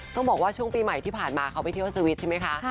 ต้องบอกว่าช่วงปีใหม่ที่ผ่านมาเขาไปเที่ยวสวิชใช่ไหมคะ